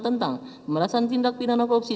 tentang pemerasan tindak pidana korupsi